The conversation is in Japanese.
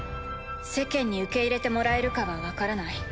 世間に受け入れてもらえるかは分からない。